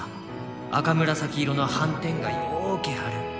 赤紫色の斑点がようけある。